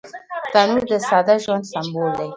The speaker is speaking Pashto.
تنور د ساده ژوند سمبول دی